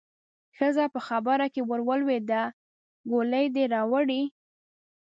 ښځه په خبره کې ورولوېده: ګولۍ دې راوړې؟